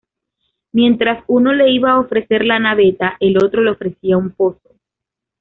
Mientras uno le iba a ofrecer la naveta, el otro le ofrecía un pozo.